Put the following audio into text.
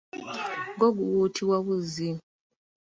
Gwo guwuutibwa buzzi.